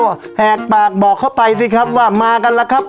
ก็แหกปากบอกเข้าไปสิครับว่ามากันแล้วครับ